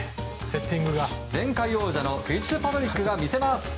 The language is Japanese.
前回王者のフィッツパトリックが見せます。